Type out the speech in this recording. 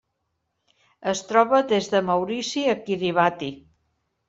Es troba des de Maurici a Kiribati.